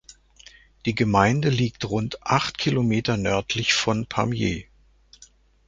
Die Gemeinde liegt rund acht Kilometer nördlich von Pamiers.